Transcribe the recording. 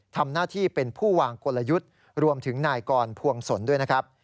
ทำหน้าที่เป็นผู้วางกลยุทธ์รวมถึงนายกรพวงศลด้วยนะครับ